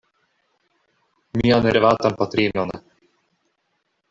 Mian revatan patrinon.